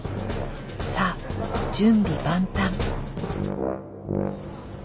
さあ準備万端。